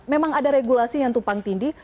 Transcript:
memang ada regulasi yang tupang tindi